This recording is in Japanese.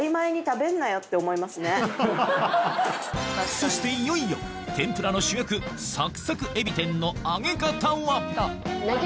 そしていよいよ天ぷらの主役サクサクえび天の揚げ方は？